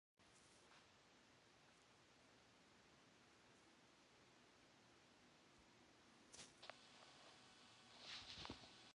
The cloth is more associated with the cottage industry in China.